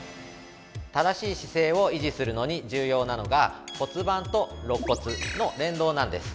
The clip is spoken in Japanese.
◆正しい姿勢を維持するのに重要なのが骨盤とろっ骨の連動なんです。